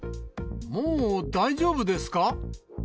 もう大丈夫ですか。